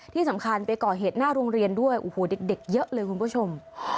ที่สำคัญไปก่อเหตุหน้าโรงเรียนด้วยโอ้โหเด็กเยอะเลยคุณผู้ชม